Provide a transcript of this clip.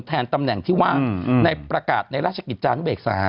แทนตำแหน่งที่ว่าประกาศในราชกีตจานุเบก๓